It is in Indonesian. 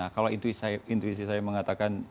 kalau intuisi saya mengatakan